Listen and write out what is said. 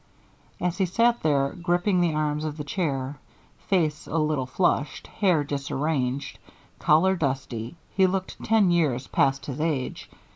As he sat there gripping the arms of the chair, face a little flushed, hair disarranged, collar dusty, he looked ten years past his age.